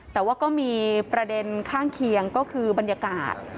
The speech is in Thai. แต่ว่าก็มีประเด็นข้างเคียงก็คือบรรยากาศ